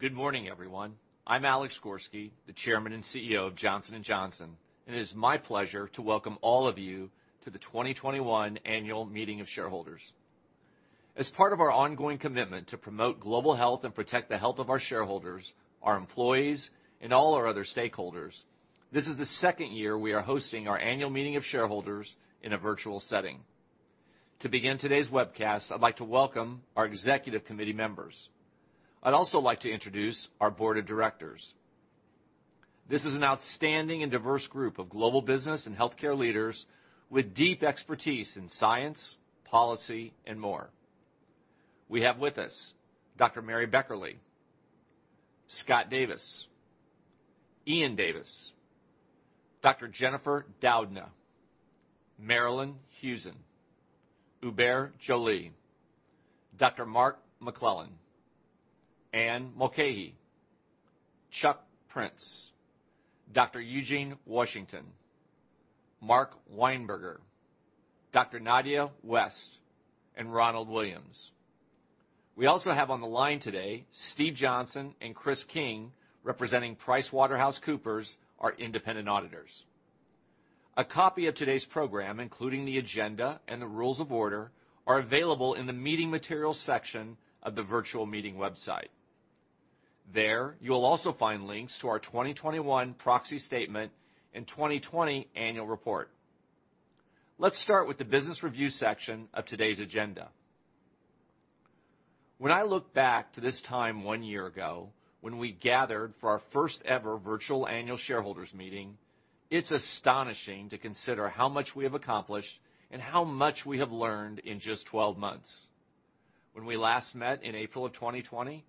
Good morning, everyone. I'm Alex Gorsky, the Chairman and CEO of Johnson & Johnson, and it is my pleasure to welcome all of you to the 2021 Annual Meeting of Shareholders. As part of our ongoing commitment to promote global health and protect the health of our shareholders, our employees, and all our other stakeholders, this is the second year we are hosting our annual meeting of shareholders in a virtual setting. To begin today's webcast, I'd like to welcome our executive committee members. I'd also like to introduce our board of directors. This is an outstanding and diverse group of global business and healthcare leaders with deep expertise in science, policy, and more. We have with us Dr. Mary Beckerle, Scott Davis, Ian Davis, Dr. Jennifer Doudna, Marillyn Hewson, Hubert Joly, Dr. Mark McClellan, Anne Mulcahy, Chuck Prince, Dr. Eugene Washington, Mark Weinberger, Dr. Nadja West, and Ronald Williams. We also have on the line today, Steve Johnson and Chris King, representing PricewaterhouseCoopers, our independent auditors. A copy of today's program, including the agenda and the rules of order, are available in the meeting materials section of the virtual meeting website. There, you will also find links to our 2021 proxy statement and 2020 annual report. Let's start with the business review section of today's agenda. When I look back to this time one year ago, when we gathered for our first ever virtual annual shareholders meeting, it's astonishing to consider how much we have accomplished and how much we have learned in just 12 months. When we last met in April of 2020,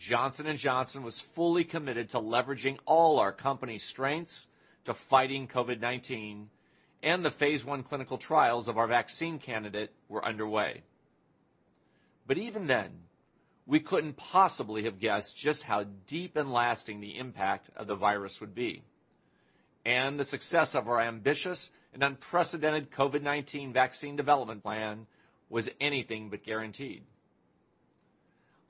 Johnson & Johnson was fully committed to leveraging all our company strengths to fighting COVID-19, and the phase I clinical trials of our vaccine candidate were underway. Even then, we couldn't possibly have guessed just how deep and lasting the impact of the virus would be. The success of our ambitious and unprecedented COVID-19 vaccine development plan was anything but guaranteed.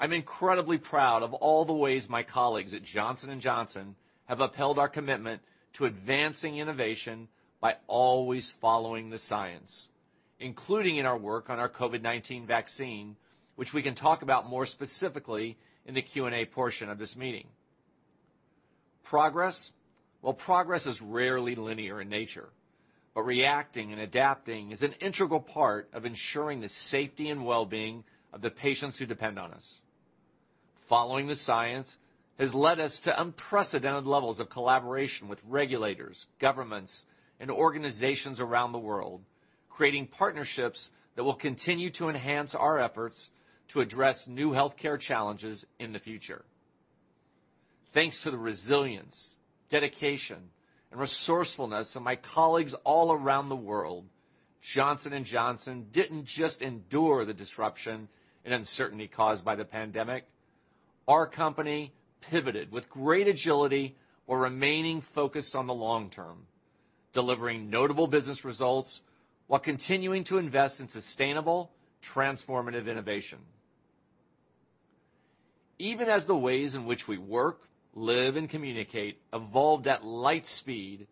I'm incredibly proud of all the ways my colleagues at Johnson & Johnson have upheld our commitment to advancing innovation by always following the science, including in our work on our COVID-19 vaccine, which we can talk about more specifically in the Q&A portion of this meeting. Progress? Well, progress is rarely linear in nature, but reacting and adapting is an integral part of ensuring the safety and well-being of the patients who depend on us. Following the science has led us to unprecedented levels of collaboration with regulators, governments, and organizations around the world, creating partnerships that will continue to enhance our efforts to address new healthcare challenges in the future. Thanks to the resilience, dedication, and resourcefulness of my colleagues all around the world, Johnson & Johnson didn't just endure the disruption and uncertainty caused by the pandemic. Our company pivoted with great agility while remaining focused on the long term, delivering notable business results while continuing to invest in sustainable, transformative innovation. Even as the ways in which we work, live, and communicate evolved at light speed,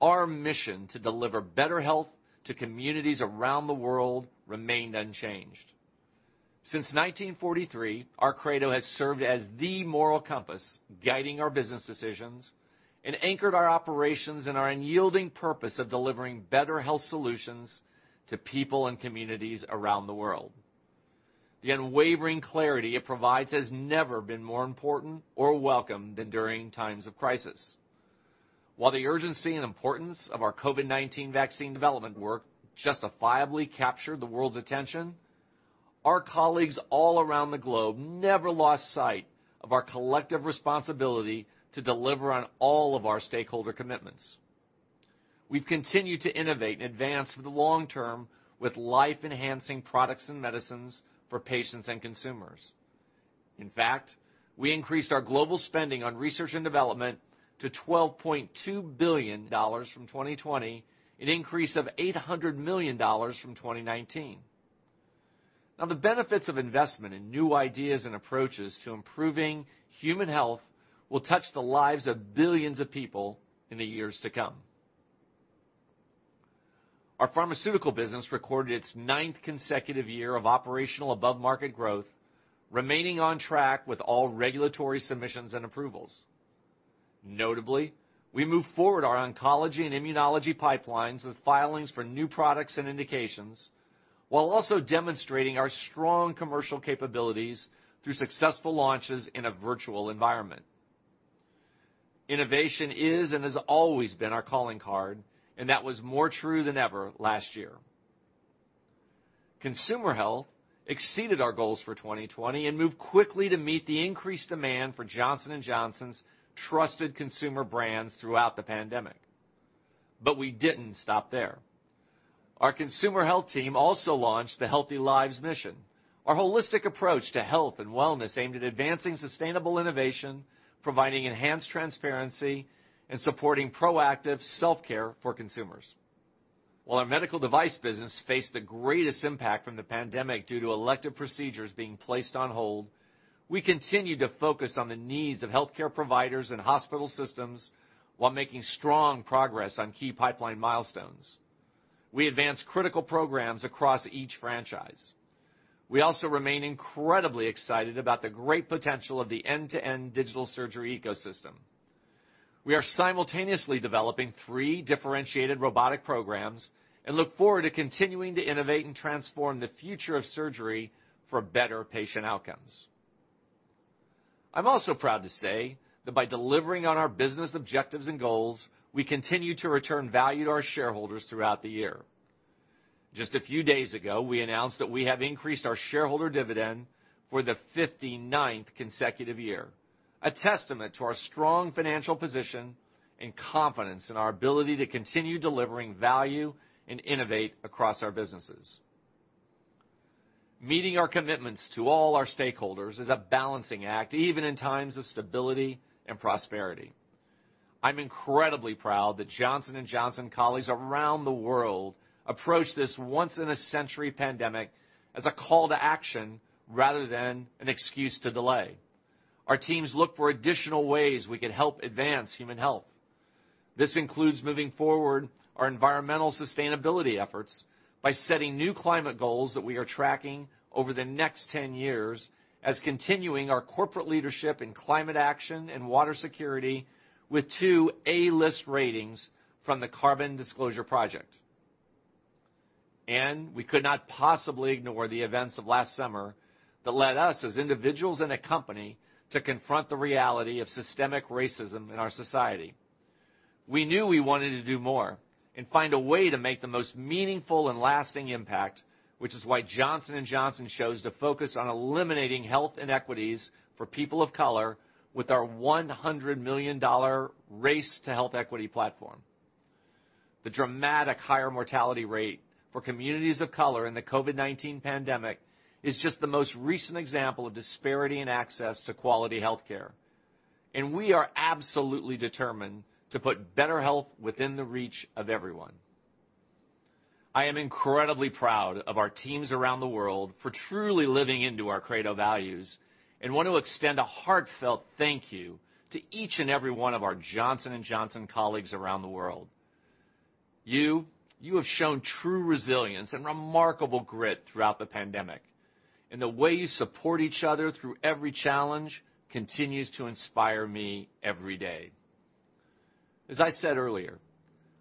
our mission to deliver better health to communities around the world remained unchanged. Since 1943, our credo has served as the moral compass guiding our business decisions and anchored our operations and our unyielding purpose of delivering better health solutions to people and communities around the world. The unwavering clarity it provides has never been more important or welcome than during times of crisis. While the urgency and importance of our COVID-19 vaccine development work justifiably captured the world's attention, our colleagues all around the globe never lost sight of our collective responsibility to deliver on all of our stakeholder commitments. We've continued to innovate and advance for the long term with life-enhancing products and medicines for patients and consumers. In fact, we increased our global spending on research and development to $12.2 billion from 2020, an increase of $800 million from 2019. The benefits of investment in new ideas and approaches to improving human health will touch the lives of billions of people in the years to come. Our pharmaceutical business recorded its ninth consecutive year of operational above-market growth, remaining on track with all regulatory submissions and approvals. Notably, we moved forward our oncology and immunology pipelines with filings for new products and indications, while also demonstrating our strong commercial capabilities through successful launches in a virtual environment. Innovation is and has always been our calling card. That was more true than ever last year. Consumer health exceeded our goals for 2020 and moved quickly to meet the increased demand for Johnson & Johnson's trusted consumer brands throughout the pandemic. We didn't stop there. Our consumer health team also launched the Healthy Lives Mission, our holistic approach to health and wellness aimed at advancing sustainable innovation, providing enhanced transparency, and supporting proactive self-care for consumers. While our medical device business faced the greatest impact from the pandemic due to elective procedures being placed on hold, we continued to focus on the needs of healthcare providers and hospital systems while making strong progress on key pipeline milestones. We advanced critical programs across each franchise. We also remain incredibly excited about the great potential of the end-to-end digital surgery ecosystem. We are simultaneously developing three differentiated robotic programs and look forward to continuing to innovate and transform the future of surgery for better patient outcomes. I'm also proud to say that by delivering on our business objectives and goals, we continued to return value to our shareholders throughout the year. Just a few days ago, we announced that we have increased our shareholder dividend for the 59th consecutive year, a testament to our strong financial position and confidence in our ability to continue delivering value and innovate across our businesses. Meeting our commitments to all our stakeholders is a balancing act, even in times of stability and prosperity. I'm incredibly proud that Johnson & Johnson colleagues around the world approached this once-in-a-century pandemic as a call to action rather than an excuse to delay. Our teams looked for additional ways we could help advance human health. This includes moving forward our environmental sustainability efforts by setting new climate goals that we are tracking over the next 10 years as continuing our corporate leadership in climate action and water security with two A-list ratings from the Carbon Disclosure Project. We could not possibly ignore the events of last summer that led us, as individuals in a company, to confront the reality of systemic racism in our society. We knew we wanted to do more and find a way to make the most meaningful and lasting impact, which is why Johnson & Johnson chose to focus on eliminating health inequities for people of color with our $100 million Race to Health Equity platform. The dramatic higher mortality rate for communities of color in the COVID-19 pandemic is just the most recent example of disparity in access to quality healthcare, and we are absolutely determined to put better health within the reach of everyone. I am incredibly proud of our teams around the world for truly living into our credo values and want to extend a heartfelt thank you to each and every one of our Johnson & Johnson colleagues around the world. You, you have shown true resilience and remarkable grit throughout the pandemic, and the way you support each other through every challenge continues to inspire me every day. As I said earlier,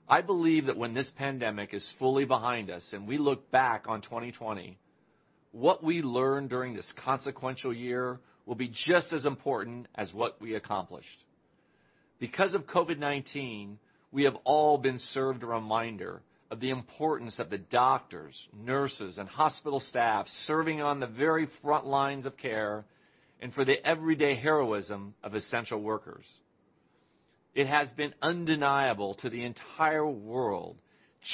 I believe that when this pandemic is fully behind us and we look back on 2020, what we learned during this consequential year will be just as important as what we accomplished. Because of COVID-19, we have all been served a reminder of the importance of the doctors, nurses, and hospital staff serving on the very front lines of care and for the everyday heroism of essential workers. It has been undeniable to the entire world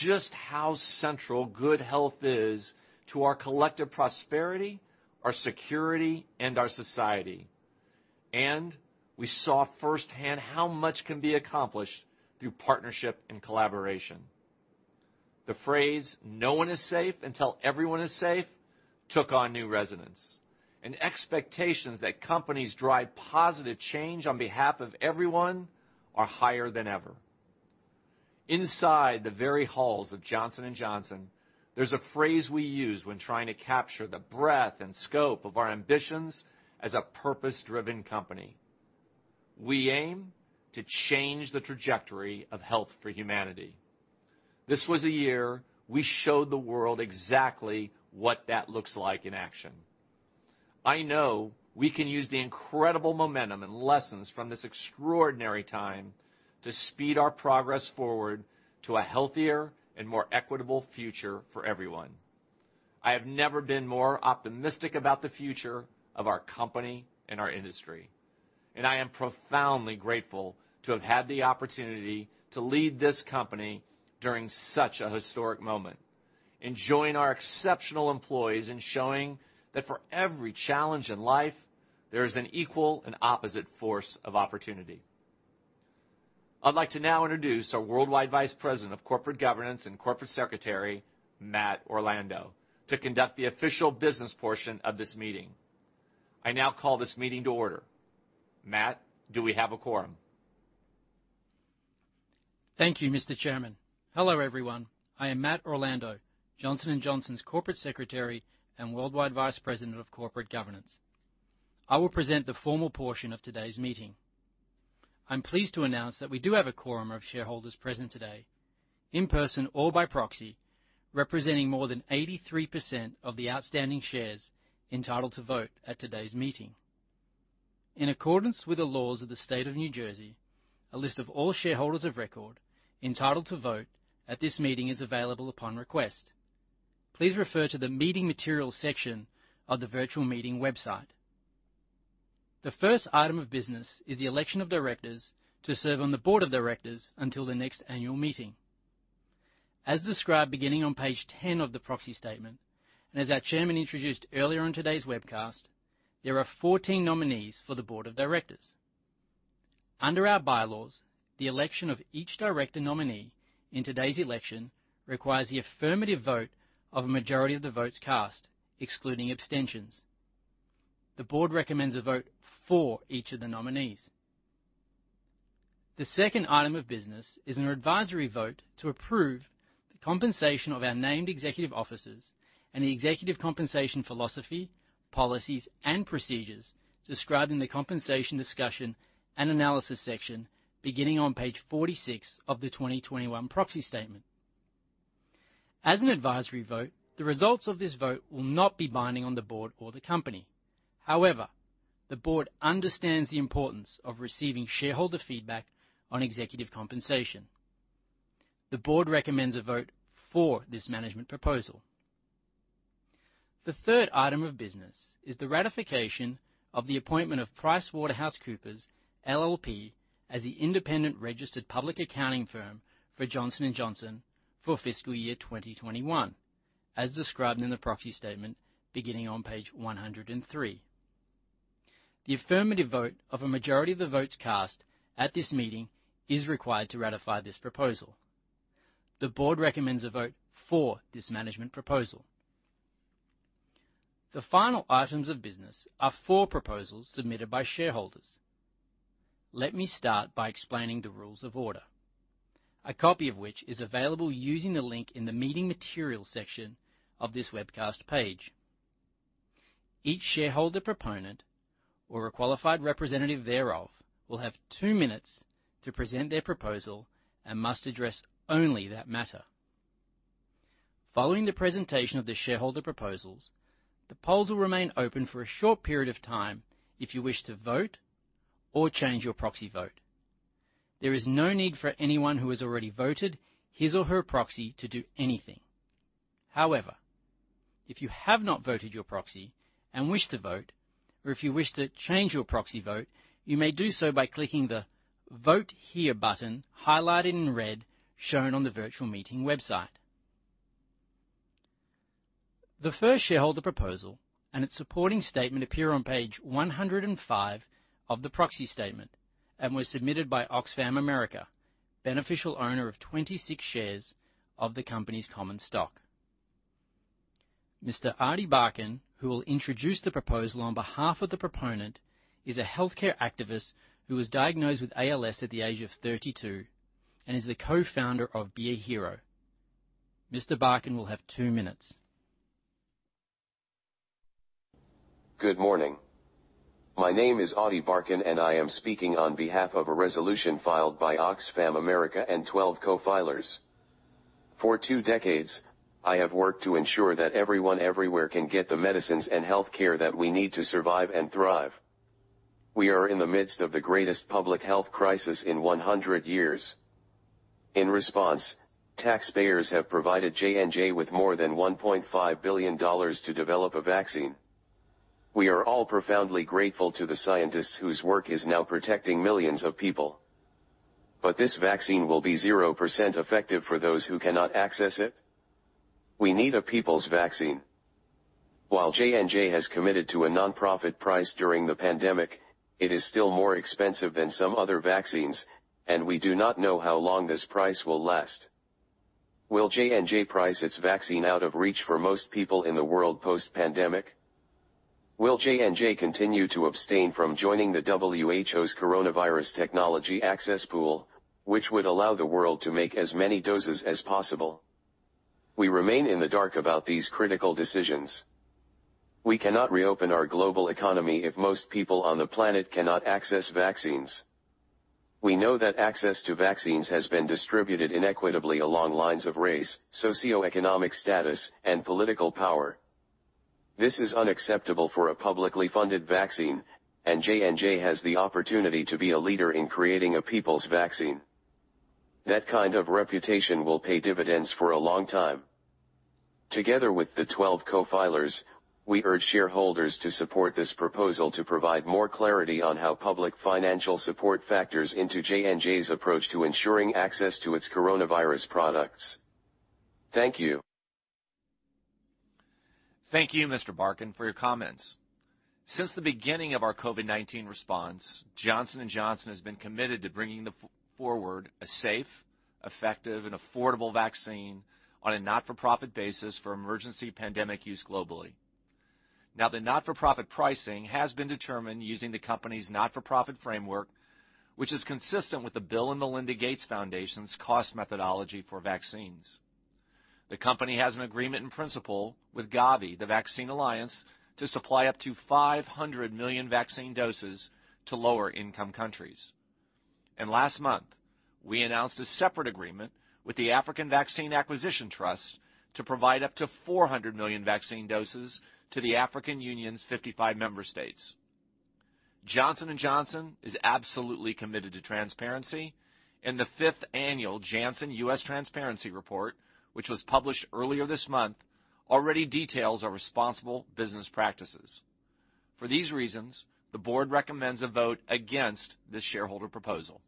just how central good health is to our collective prosperity, our security, and our society. We saw firsthand how much can be accomplished through partnership and collaboration. The phrase "no one is safe until everyone is safe" took on new resonance, and expectations that companies drive positive change on behalf of everyone are higher than ever. Inside the very halls of Johnson & Johnson, there's a phrase we use when trying to capture the breadth and scope of our ambitions as a purpose-driven company. We aim to change the trajectory of health for humanity. This was a year we showed the world exactly what that looks like in action. I know we can use the incredible momentum and lessons from this extraordinary time to speed our progress forward to a healthier and more equitable future for everyone. I have never been more optimistic about the future of our company and our industry. I am profoundly grateful to have had the opportunity to lead this company during such a historic moment and join our exceptional employees in showing that for every challenge in life, there is an equal and opposite force of opportunity. I'd like to now introduce our Worldwide Vice President of Corporate Governance and Corporate Secretary, Matt Orlando, to conduct the official business portion of this meeting. I now call this meeting to order. Matt, do we have a quorum? Thank you, Mr. Chairman. Hello, everyone. I am Matt Orlando, Johnson & Johnson's Corporate Secretary and Worldwide Vice President of Corporate Governance. I will present the formal portion of today's meeting. I'm pleased to announce that we do have a quorum of shareholders present today, in person or by proxy, representing more than 83% of the outstanding shares entitled to vote at today's meeting. In accordance with the laws of the state of New Jersey, a list of all shareholders of record entitled to vote at this meeting is available upon request. Please refer to the meeting materials section of the virtual meeting website. The first item of business is the election of directors to serve on the Board of Directors until the next annual meeting. As described beginning on page 10 of the proxy statement, and as our chairman introduced earlier in today's webcast, there are 14 nominees for the Board of Directors. Under our bylaws, the election of each director nominee in today's election requires the affirmative vote of a majority of the votes cast, excluding abstentions. The Board recommends a vote for each of the nominees. The second item of business is an advisory vote to approve the compensation of our named executive officers and the executive compensation philosophy, policies, and procedures described in the Compensation Discussion and Analysis section beginning on page 46 of the 2021 proxy statement. As an advisory vote, the results of this vote will not be binding on the Board or the company. The Board understands the importance of receiving shareholder feedback on executive compensation. The Board recommends a vote for this management proposal. The third item of business is the ratification of the appointment of PricewaterhouseCoopers LLP as the independent registered public accounting firm for Johnson & Johnson for fiscal year 2021, as described in the proxy statement beginning on page 103. The affirmative vote of a majority of the votes cast at this meeting is required to ratify this proposal. The board recommends a vote for this management proposal. The final items of business are four proposals submitted by shareholders. Let me start by explaining the rules of order, a copy of which is available using the link in the meeting materials section of this webcast page. Each shareholder proponent, or a qualified representative thereof, will have two minutes to present their proposal and must address only that matter. Following the presentation of the shareholder proposals, the polls will remain open for a short period of time if you wish to vote or change your proxy vote. There is no need for anyone who has already voted his or her proxy to do anything. If you have not voted your proxy and wish to vote, or if you wish to change your proxy vote, you may do so by clicking the Vote Here button highlighted in red, shown on the virtual meeting website. The first shareholder proposal and its supporting statement appear on page 105 of the proxy statement and were submitted by Oxfam America, beneficial owner of 26 shares of the company's common stock. Mr. Ady Barkan, who will introduce the proposal on behalf of the proponent, is a healthcare activist who was diagnosed with ALS at the age of 32 and is the Co-Founder of Be a Hero. Mr. Barkan will have two minutes. Good morning. My name is Ady Barkan, and I am speaking on behalf of a resolution filed by Oxfam America and 12 co-filers. For two decades, I have worked to ensure that everyone everywhere can get the medicines and healthcare that we need to survive and thrive. We are in the midst of the greatest public health crisis in 100 years. In response, taxpayers have provided J&J with more than $1.5 billion to develop a vaccine. We are all profoundly grateful to the scientists whose work is now protecting millions of people. This vaccine will be 0% effective for those who cannot access it. We need a people's vaccine. While J&J has committed to a nonprofit price during the pandemic, it is still more expensive than some other vaccines, and we do not know how long this price will last. Will J&J price its vaccine out of reach for most people in the world post-pandemic? Will J&J continue to abstain from joining the WHO's COVID-19 Technology Access Pool, which would allow the world to make as many doses as possible? We remain in the dark about these critical decisions. We cannot reopen our global economy if most people on the planet cannot access vaccines. We know that access to vaccines has been distributed inequitably along lines of race, socioeconomic status, and political power. This is unacceptable for a publicly funded vaccine, and J&J has the opportunity to be a leader in creating a people's vaccine. That kind of reputation will pay dividends for a long time. Together with the 12 co-filers, we urge shareholders to support this proposal to provide more clarity on how public financial support factors into J&J's approach to ensuring access to its coronavirus products. Thank you. Thank you, Mr. Barkan, for your comments. Since the beginning of our COVID-19 response, Johnson & Johnson has been committed to bringing forward a safe, effective, and affordable vaccine on a not-for-profit basis for emergency pandemic use globally. The not-for-profit pricing has been determined using the company's not-for-profit framework, which is consistent with the Bill & Melinda Gates Foundation's cost methodology for vaccines. The company has an agreement in principle with Gavi, the Vaccine Alliance, to supply up to 500 million vaccine doses to lower-income countries. Last month, we announced a separate agreement with the African Vaccine Acquisition Trust to provide up to 400 million vaccine doses to the African Union's 55 member states. Johnson & Johnson is absolutely committed to transparency. The fifth annual Janssen U.S. Transparency Report, which was published earlier this month, already details our responsible business practices. For these reasons, the board recommends a vote against this shareholder proposal.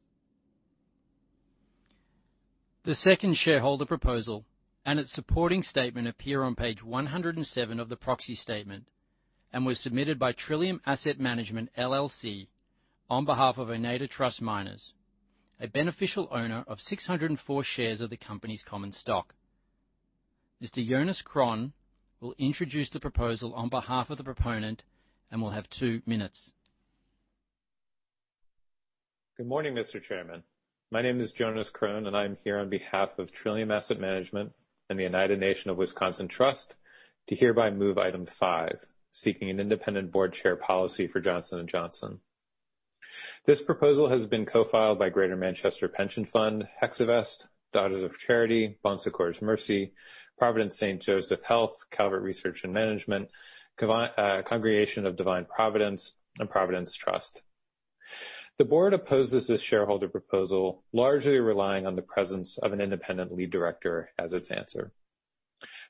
The second shareholder proposal and its supporting statement appear on page 107 of the proxy statement, and was submitted by Trillium Asset Management, LLC on behalf of Oneida Trust Minors, a beneficial owner of 604 shares of the company's common stock. Mr. Jonas Kron will introduce the proposal on behalf of the proponent and will have two minutes. Good morning, Mr. Chairman. My name is Jonas Kron, and I am here on behalf of Trillium Asset Management and the Oneida Nation of Wisconsin Trust to hereby move item five, seeking an independent board chair policy for Johnson & Johnson. This proposal has been co-filed by Greater Manchester Pension Fund, Hexavest, Daughters of Charity, Bon Secours Mercy, Providence St. Joseph Health, Calvert Research and Management, Congregation of Divine Providence, and Providence Trust. The board opposes the shareholder proposal, largely relying on the presence of the independent lead director as its answer.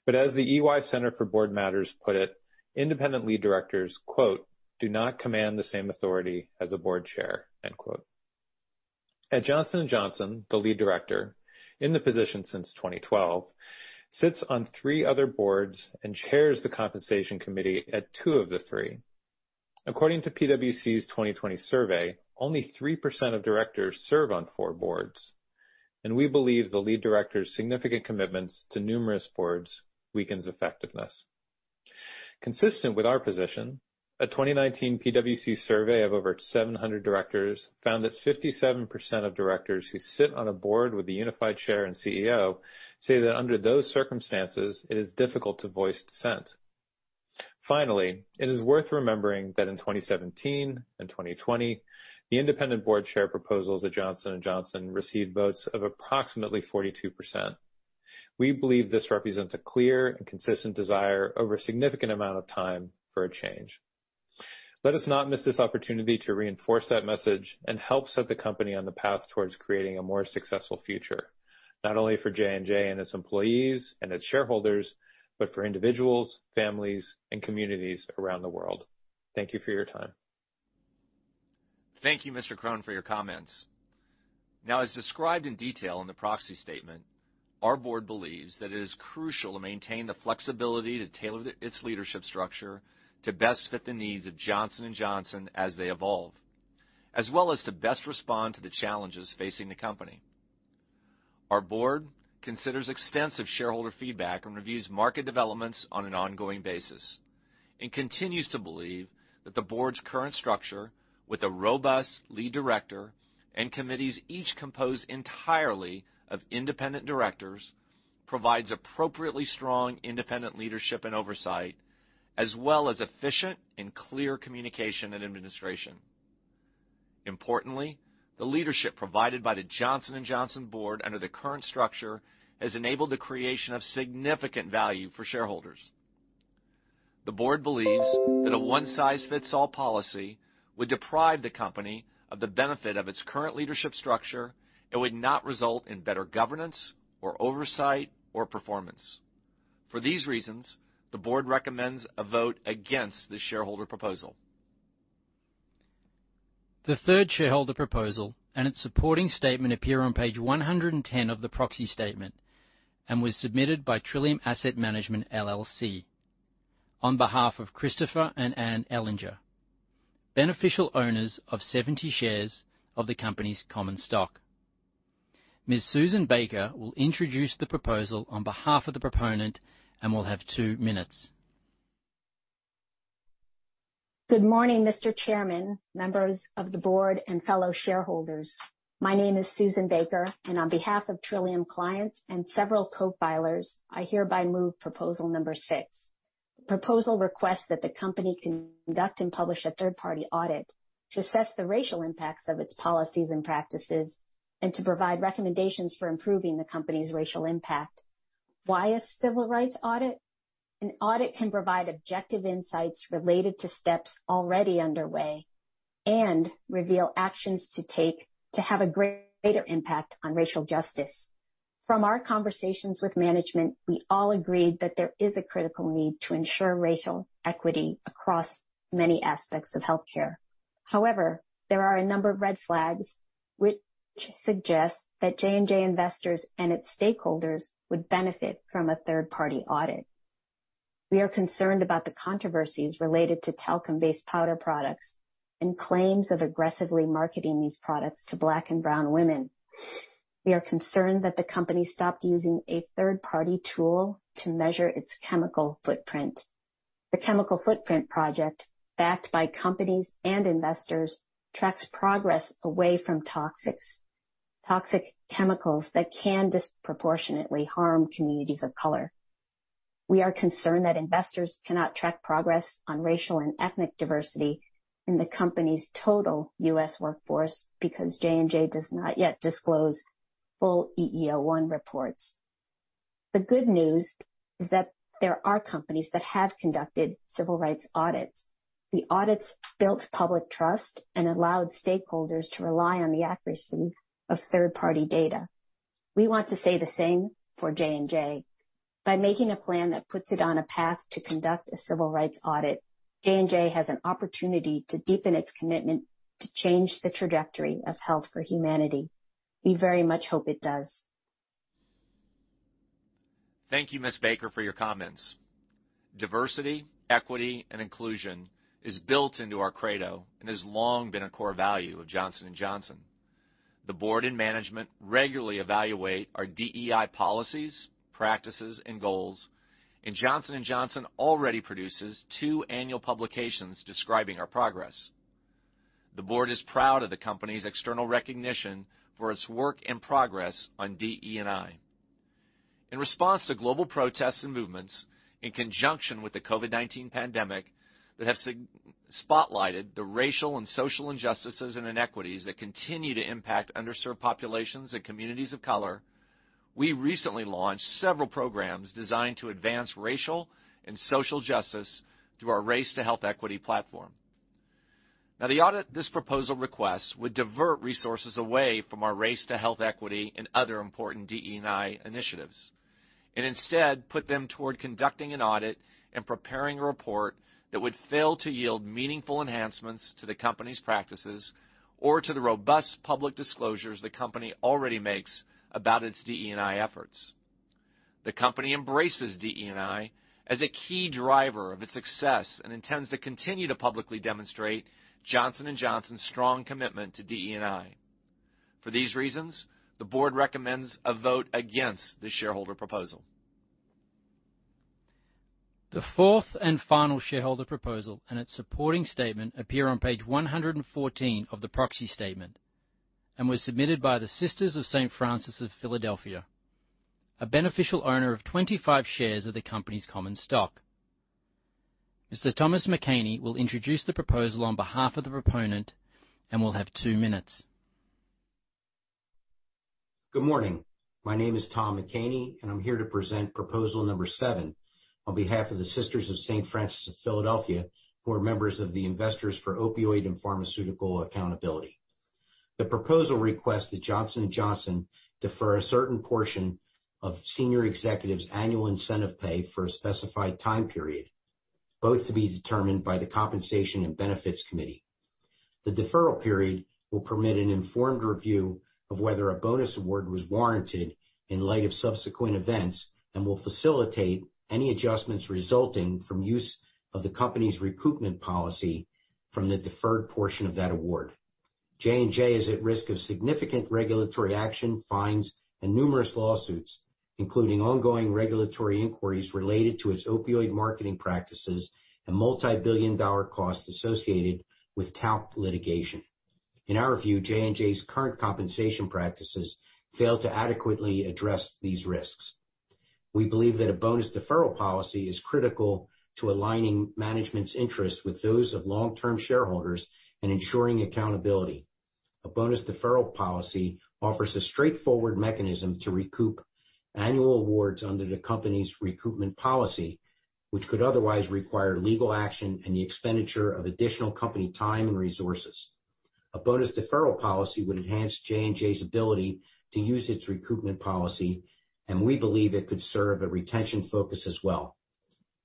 As the EY Center for Board Matters put it, independent lead directors, quote, "Do not command the same authority as a board chair." End quote. At Johnson & Johnson, the lead director, in the position since 2012, sits on three other boards and chairs the Compensation Committee at two of the three. According to PwC's 2020 survey, only 3% of directors serve on four boards, and we believe the lead director's significant commitments to numerous boards weakens effectiveness. Consistent with our position, a 2019 PwC survey of over 700 directors found that 57% of directors who sit on a board with a unified chair and CEO say that under those circumstances, it is difficult to voice dissent. Finally, it is worth remembering that in 2017 and 2020, the independent board chair proposals at Johnson & Johnson received votes of approximately 42%. We believe this represents a clear and consistent desire over a significant amount of time for a change. Let us not miss this opportunity to reinforce that message and help set the company on the path towards creating a more successful future, not only for J&J and its employees and its shareholders, but for individuals, families, and communities around the world. Thank you for your time. Thank you, Mr. Kron, for your comments. Now, as described in detail in the proxy statement, our board believes that it is crucial to maintain the flexibility to tailor its leadership structure to best fit the needs of Johnson & Johnson as they evolve, as well as to best respond to the challenges facing the company. Our board considers extensive shareholder feedback and reviews market developments on an ongoing basis and continues to believe that the board's current structure with a robust lead director and committees, each composed entirely of independent directors, provides appropriately strong independent leadership and oversight, as well as efficient and clear communication and administration. Importantly, the leadership provided by the Johnson & Johnson board under the current structure has enabled the creation of significant value for shareholders. The board believes that a one-size-fits-all policy would deprive the company of the benefit of its current leadership structure and would not result in better governance or oversight or performance. For these reasons, the board recommends a vote against this shareholder proposal. The third shareholder proposal and its supporting statement appear on page 110 of the proxy statement and was submitted by Trillium Asset Management, LLC on behalf of Christopher and Anne Ellinger, beneficial owners of 70 shares of the company's common stock. Ms. Susan Baker will introduce the proposal on behalf of the proponent and will have two minutes. Good morning, Mr. Chairman, members of the board, and fellow shareholders. My name is Susan Baker, on behalf of Trillium clients and several co-filers, I hereby move proposal number six. The proposal requests that the company conduct and publish a third-party audit to assess the racial impacts of its policies and practices and to provide recommendations for improving the company's racial impact. Why a civil rights audit? An audit can provide objective insights related to steps already underway and reveal actions to take to have a greater impact on racial justice. From our conversations with management, we all agreed that there is a critical need to ensure racial equity across many aspects of healthcare. There are a number of red flags which suggest that J&J investors and its stakeholders would benefit from a third-party audit. We are concerned about the controversies related to talcum-based powder products and claims of aggressively marketing these products to Black and Brown women. We are concerned that the company stopped using a third-party tool to measure its chemical footprint. The Chemical Footprint Project, backed by companies and investors, tracks progress away from toxics, toxic chemicals that can disproportionately harm communities of color. We are concerned that investors cannot track progress on racial and ethnic diversity in the company's total U.S. workforce because J&J does not yet disclose full EEO-1 reports. The good news is that there are companies that have conducted civil rights audits. The audits built public trust and allowed stakeholders to rely on the accuracy of third-party data. We want to say the same for J&J. By making a plan that puts it on a path to conduct a civil rights audit, J&J has an opportunity to deepen its commitment to change the trajectory of health for humanity. We very much hope it does. Thank you, Ms. Baker, for your comments. Diversity, equity, and inclusion is built into our credo and has long been a core value of Johnson & Johnson. The board and management regularly evaluate our DEI policies, practices, and goals, and Johnson & Johnson already produces two annual publications describing our progress. The board is proud of the company's external recognition for its work and progress on DE&I. In response to global protests and movements, in conjunction with the COVID-19 pandemic, that have spotlighted the racial and social injustices and inequities that continue to impact underserved populations and communities of color, we recently launched several programs designed to advance racial and social justice through Our Race to Health Equity platform. Now, the audit this proposal requests would divert resources away from Our Race to Health Equity and other important DE&I initiatives, and instead put them toward conducting an audit and preparing a report that would fail to yield meaningful enhancements to the company's practices or to the robust public disclosures the company already makes about its DE&I efforts. The company embraces DE&I as a key driver of its success and intends to continue to publicly demonstrate Johnson & Johnson's strong commitment to DE&I. For these reasons, the board recommends a vote against this shareholder proposal. The fourth and final shareholder proposal and its supporting statement appear on page 114 of the proxy statement and was submitted by the Sisters of St. Francis of Philadelphia, a beneficial owner of 25 shares of the company's common stock. Mr. Thomas McHaney will introduce the proposal on behalf of the proponent and will have two minutes. Good morning. My name is Thomas McHaney, and I'm here to present proposal number seven on behalf of the Sisters of St. Francis of Philadelphia, who are members of the Investors for Opioid and Pharmaceutical Accountability. The proposal requests that Johnson & Johnson defer a certain portion of senior executives' annual incentive pay for a specified time period, both to be determined by the Compensation & Benefits Committee. The deferral period will permit an informed review of whether a bonus award was warranted in light of subsequent events and will facilitate any adjustments resulting from use of the company's recoupment policy from the deferred portion of that award. J&J is at risk of significant regulatory action, fines, and numerous lawsuits, including ongoing regulatory inquiries related to its opioid marketing practices and multi-billion costs associated with talc litigation. In our view, J&J's current compensation practices fail to adequately address these risks. We believe that a bonus deferral policy is critical to aligning management's interests with those of long-term shareholders and ensuring accountability. A bonus deferral policy offers a straightforward mechanism to recoup annual awards under the company's recoupment policy, which could otherwise require legal action and the expenditure of additional company time and resources. A bonus deferral policy would enhance J&J's ability to use its recoupment policy, and we believe it could serve a retention focus as well.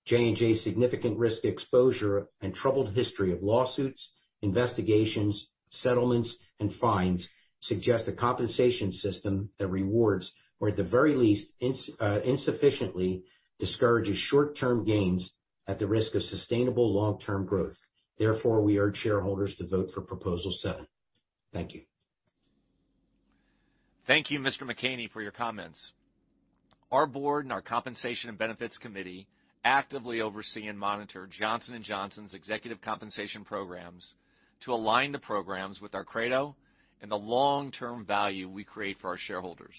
J&J's significant risk exposure and troubled history of lawsuits, investigations, settlements, and fines suggest a compensation system that rewards, or at the very least, insufficiently discourages short-term gains at the risk of sustainable long-term growth. We urge shareholders to vote for proposal seven. Thank you. Thank you, Mr. McHaney, for your comments. Our board and our Compensation & Benefits Committee actively oversee and monitor Johnson & Johnson's executive compensation programs to align the programs with our credo and the long-term value we create for our shareholders.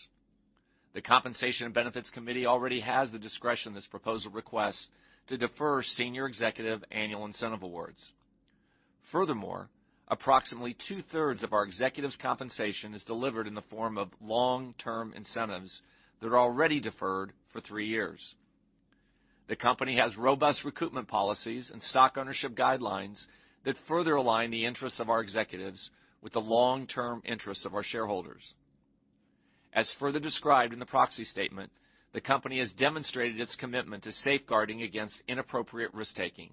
The Compensation & Benefits Committee already has the discretion this proposal requests to defer senior executive annual incentive awards. Furthermore, approximately 2/3 of our executives' compensation is delivered in the form of long-term incentives that are already deferred for three years. The company has robust recoupment policies and stock ownership guidelines that further align the interests of our executives with the long-term interests of our shareholders. As further described in the proxy statement, the company has demonstrated its commitment to safeguarding against inappropriate risk-taking.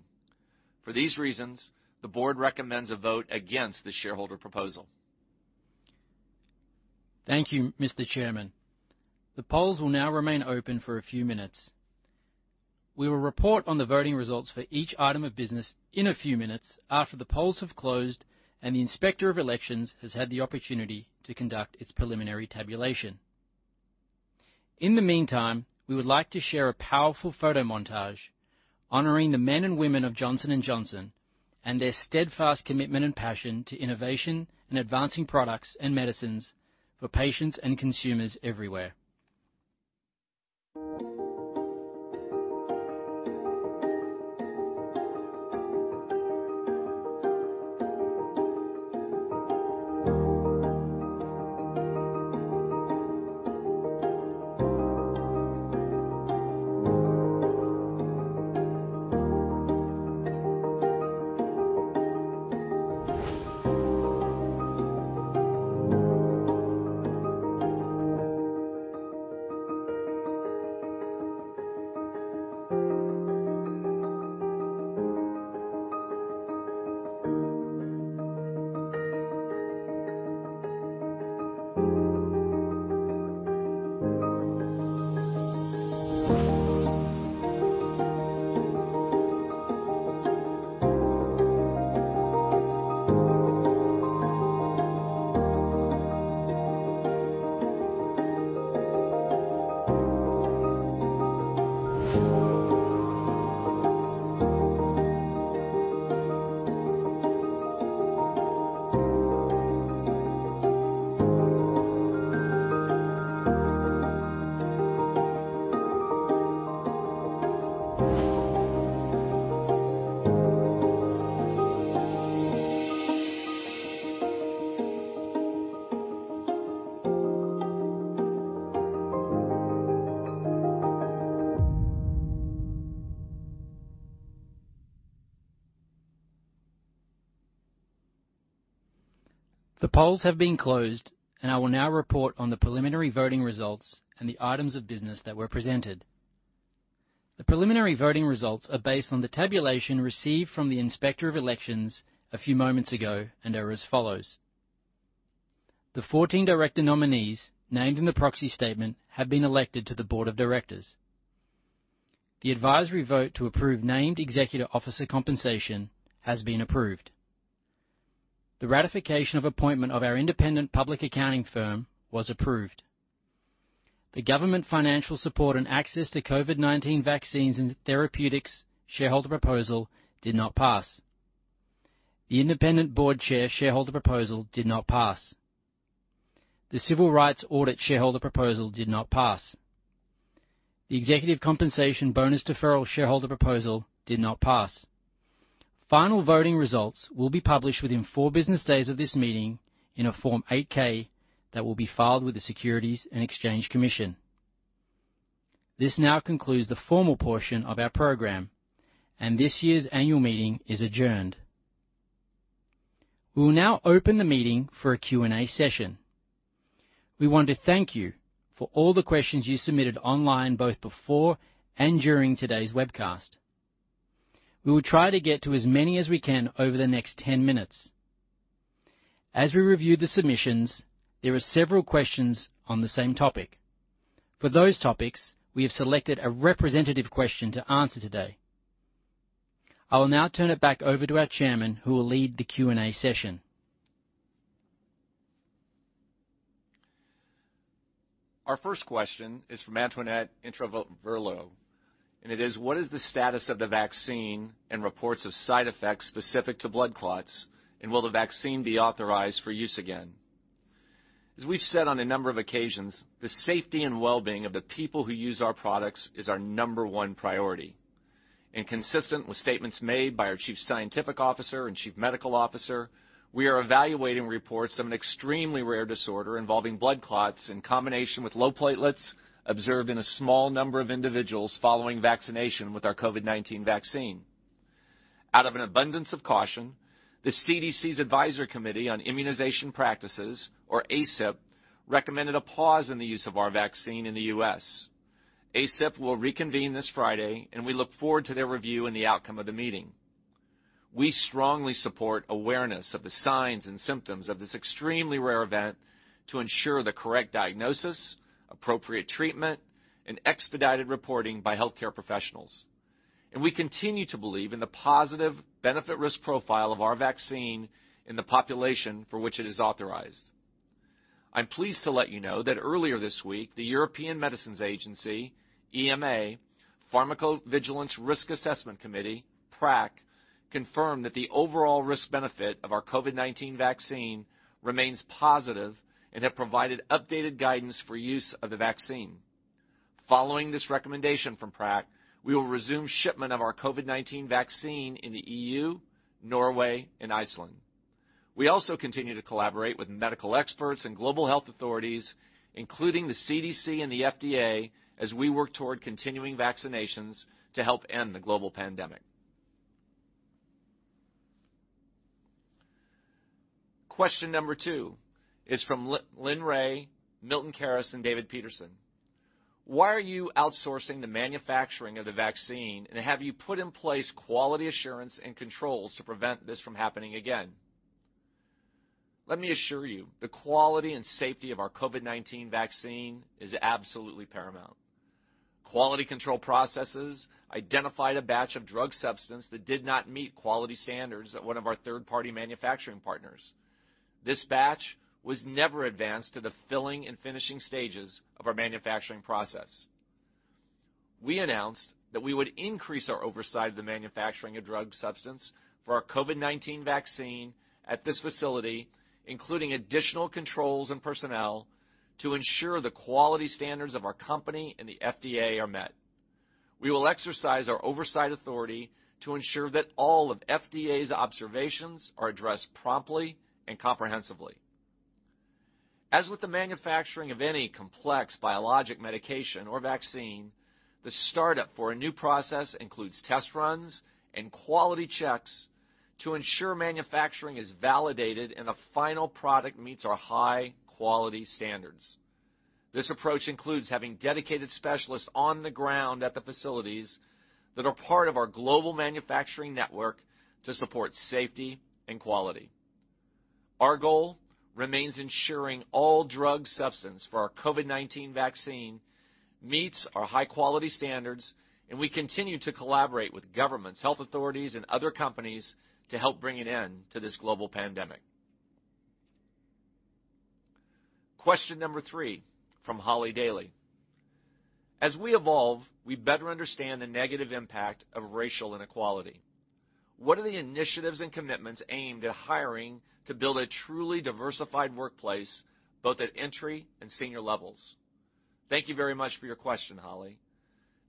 For these reasons, the board recommends a vote against this shareholder proposal. Thank you, Mr. Chairman. The polls will now remain open for a few minutes. We will report on the voting results for each item of business in a few minutes after the polls have closed and the Inspector of Elections has had the opportunity to conduct its preliminary tabulation. In the meantime, we would like to share a powerful photo montage honoring the men and women of Johnson & Johnson and their steadfast commitment and passion to innovation and advancing products and medicines for patients and consumers everywhere. The polls have been closed, and I will now report on the preliminary voting results and the items of business that were presented. The preliminary voting results are based on the tabulation received from the Inspector of Elections a few moments ago and are as follows. The 14 director nominees named in the proxy statement have been elected to the board of directors. The advisory vote to approve named executive officer compensation has been approved. The ratification of appointment of our independent public accounting firm was approved. The government financial support and access to COVID-19 vaccines and therapeutics shareholder proposal did not pass. The independent board chair shareholder proposal did not pass. The civil rights audit shareholder proposal did not pass. The executive compensation bonus deferral shareholder proposal did not pass. Final voting results will be published within four business days of this meeting in a Form 8-K that will be filed with the Securities and Exchange Commission. This now concludes the formal portion of our program, and this year's annual meeting is adjourned. We will now open the meeting for a Q&A session. We want to thank you for all the questions you submitted online, both before and during today's webcast. We will try to get to as many as we can over the next 10 minutes. As we reviewed the submissions, there are several questions on the same topic. For those topics, we have selected a representative question to answer today. I will now turn it back over to our Chairman who will lead the Q&A session. Our first question is from Antoinette Introvaia. It is: What is the status of the vaccine and reports of side effects specific to blood clots, and will the vaccine be authorized for use again? As we've said on a number of occasions, the safety and well-being of the people who use our products is our number one priority. Consistent with statements made by our Chief Scientific Officer and Chief Medical Officer, we are evaluating reports of an extremely rare disorder involving blood clots in combination with low platelets observed in a small number of individuals following vaccination with our COVID-19 vaccine. Out of an abundance of caution, the CDC's Advisory Committee on Immunization Practices, or ACIP, recommended a pause in the use of our vaccine in the U.S. ACIP will reconvene this Friday. We look forward to their review and the outcome of the meeting. We strongly support awareness of the signs and symptoms of this extremely rare event to ensure the correct diagnosis, appropriate treatment, and expedited reporting by healthcare professionals. We continue to believe in the positive benefit risk profile of our vaccine in the population for which it is authorized. I'm pleased to let you know that earlier this week, the European Medicines Agency, EMA, Pharmacovigilance Risk Assessment Committee, PRAC, confirmed that the overall risk-benefit of our COVID-19 vaccine remains positive and have provided updated guidance for use of the vaccine. Following this recommendation from PRAC, we will resume shipment of our COVID-19 vaccine in the EU, Norway, and Iceland. We also continue to collaborate with medical experts and global health authorities, including the CDC and the FDA, as we work toward continuing vaccinations to help end the global pandemic. Question number two is from Lynn Ray, Milton Carris, and David Peterson: Why are you outsourcing the manufacturing of the vaccine, and have you put in place quality assurance and controls to prevent this from happening again? Let me assure you, the quality and safety of our COVID-19 vaccine is absolutely paramount. Quality control processes identified a batch of drug substance that did not meet quality standards at one of our third-party manufacturing partners. This batch was never advanced to the filling and finishing stages of our manufacturing process. We announced that we would increase our oversight of the manufacturing of drug substance for our COVID-19 vaccine at this facility, including additional controls and personnel, to ensure the quality standards of our company and the FDA are met. We will exercise our oversight authority to ensure that all of FDA's observations are addressed promptly and comprehensively. As with the manufacturing of any complex biologic medication or vaccine, the startup for a new process includes test runs and quality checks to ensure manufacturing is validated and the final product meets our high quality standards. This approach includes having dedicated specialists on the ground at the facilities that are part of our global manufacturing network to support safety and quality. Our goal remains ensuring all drug substance for our COVID-19 vaccine meets our high quality standards, and we continue to collaborate with governments, health authorities, and other companies to help bring an end to this global pandemic. Question number three from Holly Daly. "As we evolve, we better understand the negative impact of racial inequality. What are the initiatives and commitments aimed at hiring to build a truly diversified workplace, both at entry and senior levels?" Thank you very much for your question, Holly.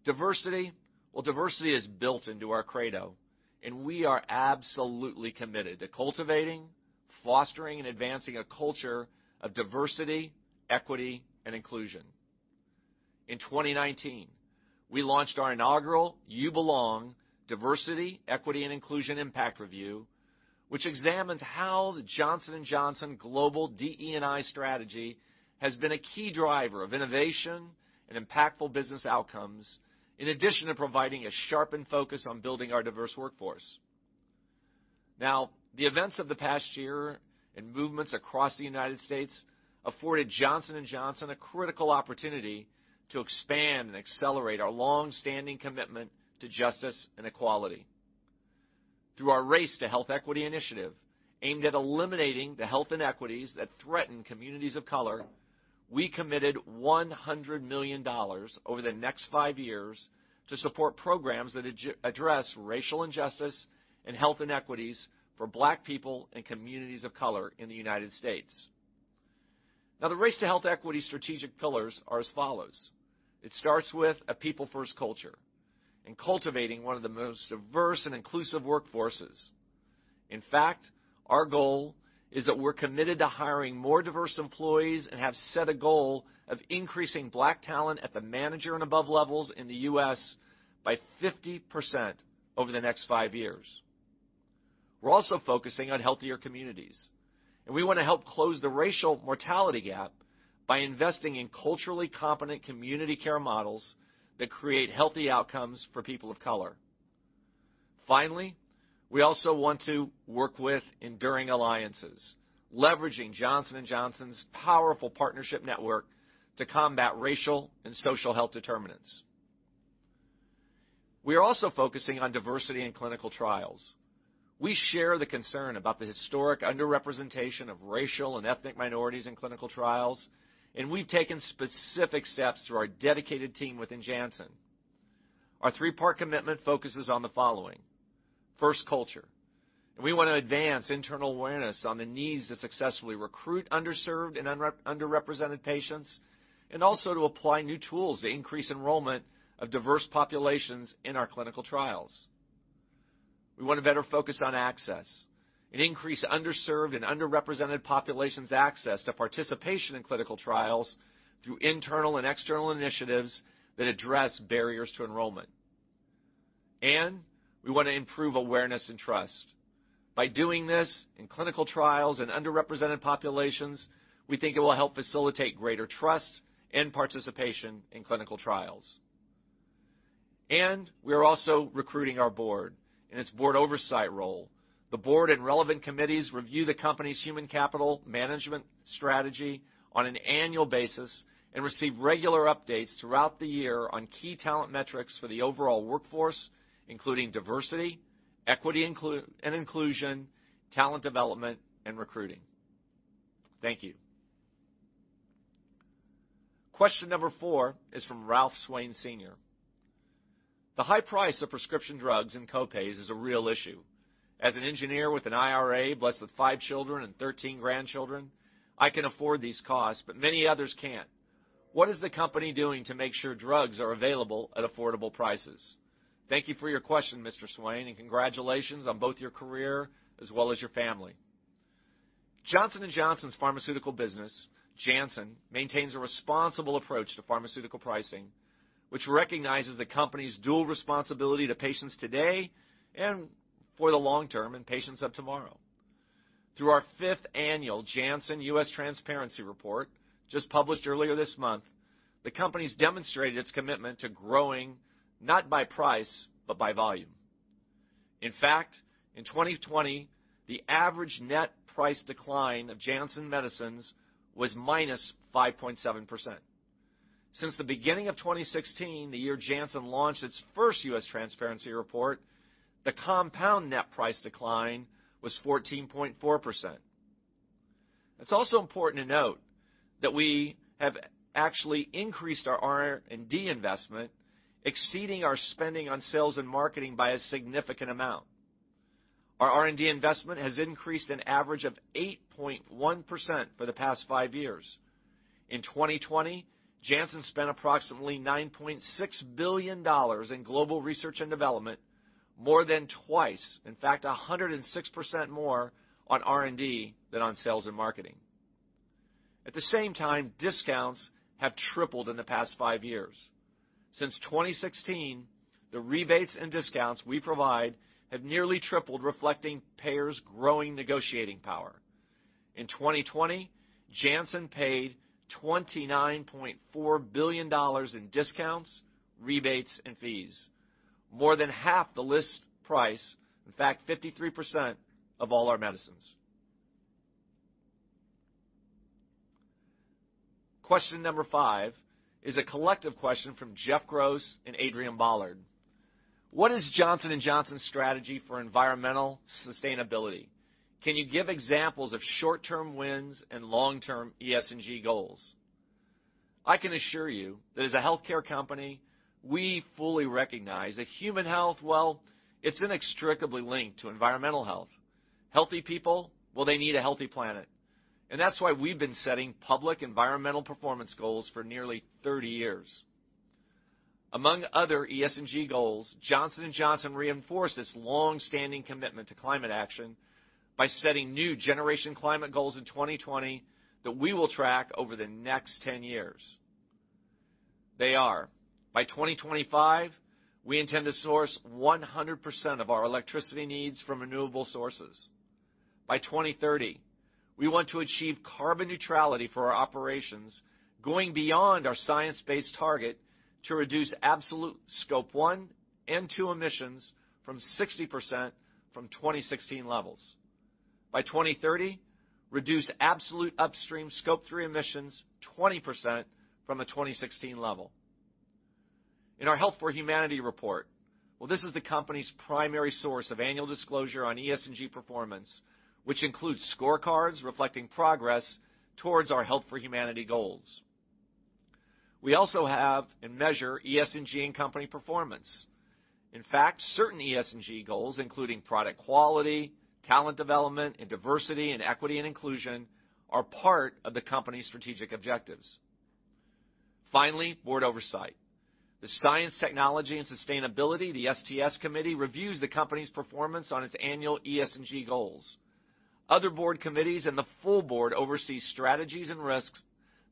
Diversity, well, diversity is built into our credo, and we are absolutely committed to cultivating, fostering, and advancing a culture of diversity, equity, and inclusion. In 2019, we launched our inaugural You Belong: Diversity & Inclusion Impact Review, which examines how the Johnson & Johnson global DE&I strategy has been a key driver of innovation and impactful business outcomes, in addition to providing a sharpened focus on building our diverse workforce. The events of the past year and movements across the United States afforded Johnson & Johnson a critical opportunity to expand and accelerate our longstanding commitment to justice and equality. Through Our Race to Health Equity initiative, aimed at eliminating the health inequities that threaten communities of color, we committed $100 million over the next five years to support programs that address racial injustice and health inequities for Black people and communities of color in the United States. Now, the Race to Health Equity strategic pillars are as follows. It starts with a people first culture and cultivating one of the most diverse and inclusive workforces. In fact, our goal is that we're committed to hiring more diverse employees and have set a goal of increasing Black talent at the manager and above levels in the U.S. by 50% over the next five years. We're also focusing on healthier communities, and we want to help close the racial mortality gap by investing in culturally competent community care models that create healthy outcomes for people of color. We also want to work with enduring alliances, leveraging Johnson & Johnson's powerful partnership network to combat racial and social health determinants. We are also focusing on diversity in clinical trials. We share the concern about the historic underrepresentation of racial and ethnic minorities in clinical trials, and we've taken specific steps through our dedicated team within Janssen. Our three-part commitment focuses on the following. First, culture, and we want to advance internal awareness on the needs to successfully recruit underserved and underrepresented patients, and also to apply new tools to increase enrollment of diverse populations in our clinical trials. We want to better focus on access and increase underserved and underrepresented populations access to participation in clinical trials through internal and external initiatives that address barriers to enrollment. We want to improve awareness and trust. By doing this in clinical trials in underrepresented populations, we think it will help facilitate greater trust and participation in clinical trials. We are also recruiting our board. In its board oversight role, the board and relevant committees review the company's human capital management strategy on an annual basis and receive regular updates throughout the year on key talent metrics for the overall workforce, including diversity, equity, and inclusion, talent development, and recruiting. Thank you. Question number four is from Ralph Swain Sr. "The high price of prescription drugs and co-pays is a real issue. As an engineer with an IRA, blessed with five children and 13 grandchildren, I can afford these costs, but many others can't. What is the company doing to make sure drugs are available at affordable prices?" Thank you for your question, Mr. Swain, and congratulations on both your career as well as your family. Johnson & Johnson's pharmaceutical business, Janssen, maintains a responsible approach to pharmaceutical pricing, which recognizes the company's dual responsibility to patients today and for the long term and patients of tomorrow. Through our fifth annual Janssen U.S. Transparency Report, just published earlier this month, the company's demonstrated its commitment to growing, not by price, but by volume. In fact, in 2020, the average net price decline of Janssen medicines was -5.7%. Since the beginning of 2016, the year Janssen launched its first U.S. Transparency Report, the compound net price decline was 14.4%. It's also important to note that we have actually increased our R&D investment, exceeding our spending on sales and marketing by a significant amount. Our R&D investment has increased an average of 8.1% for the past five years. In 2020, Janssen spent approximately $9.6 billion in global research and development, more than twice, in fact, 106% more on R&D than on sales and marketing. At the same time, discounts have tripled in the past five years. Since 2016, the rebates and discounts we provide have nearly tripled, reflecting payers' growing negotiating power. In 2020, Janssen paid $29.4 billion in discounts, rebates, and fees, more than half the list price, in fact, 53% of all our medicines. Question number five is a collective question from Jeff Gross and Adrian Bollard: "What is Johnson & Johnson's strategy for environmental sustainability? Can you give examples of short-term wins and long-term ESG goals?" I can assure you that as a healthcare company, we fully recognize that human health, well, it's inextricably linked to environmental health. Healthy people, well, they need a healthy planet. That's why we've been setting public environmental performance goals for nearly 30 years. Among other ESG goals, Johnson & Johnson reinforced this long-standing commitment to climate action by setting new generation climate goals in 2020 that we will track over the next 10 years. They are: by 2025, we intend to source 100% of our electricity needs from renewable sources. By 2030, we want to achieve carbon neutrality for our operations, going beyond our science-based target to reduce absolute Scope 1 and 2 emissions from 60% from 2016 levels. By 2030, reduce absolute upstream Scope 3 emissions 20% from the 2016 level. In our Health for Humanity Report, well, this is the company's primary source of annual disclosure on ESG performance, which includes scorecards reflecting progress towards our Health for Humanity goals. We also have and measure ESG in company performance. In fact, certain ESG goals, including product quality, talent development, and diversity and equity and inclusion, are part of the company's strategic objectives. Finally, Board oversight. The Science, Technology & Sustainability, the STS Committee, reviews the company's performance on its annual ESG goals. Other Board committees and the full Board oversee strategies and risks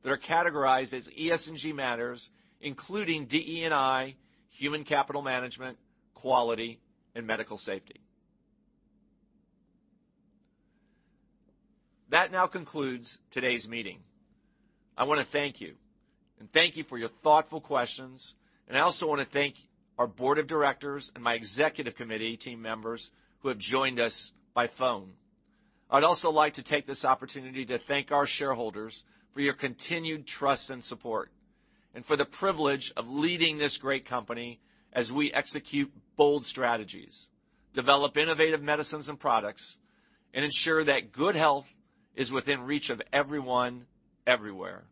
that are categorized as ESG matters, including DE&I, human capital management, quality, and medical safety. That now concludes today's meeting. I want to thank you, and thank you for your thoughtful questions, and I also want to thank our Board of Directors and my Executive Committee team members who have joined us by phone. I'd also like to take this opportunity to thank our shareholders for your continued trust and support, and for the privilege of leading this great company as we execute bold strategies, develop innovative medicines and products, and ensure that good health is within reach of everyone, everywhere.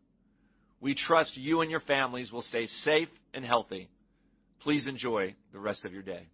We trust you and your families will stay safe and healthy. Please enjoy the rest of your day.